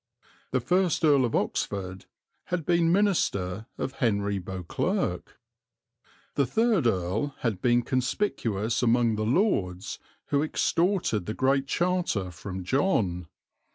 The first Earl of Oxford had been minister of Henry Beauclerc. The third Earl had been conspicuous among the Lords who extorted the Great Charter from John.